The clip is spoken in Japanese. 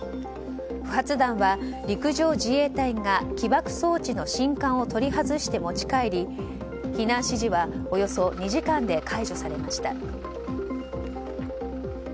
不発弾は陸上自衛隊が起爆装置の信管を取り外して持ち帰り避難指示はおよそ２時間で解除されました。